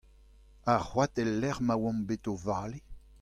Ar c'hoad el lec'h ma oamp bet o vale.